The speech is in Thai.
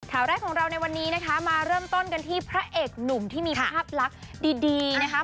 ข่าวแรกของเราในวันนี้นะคะมาเริ่มต้นกันที่พระเอกหนุ่มที่มีภาพลักษณ์ดีนะคะ